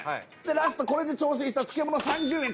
ラストこれで調整した漬物３０円